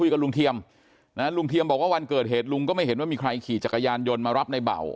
กับลุงเทียมนะลุงเทียมบอกว่าวันเกิดเหตุลุงก็ไม่เห็นว่ามีใครขี่จักรยานยนต์มารับในเบา